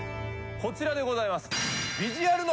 こちらでございます。